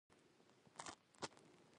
سلاب په څېر ډزې وې.